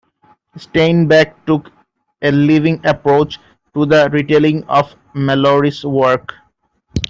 Steinbeck took a "living approach" to the retelling of Malory's work.